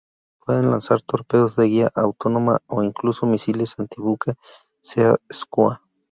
Se pueden lanzar torpedos de guía autónoma o incluso misiles antibuque Sea Skua.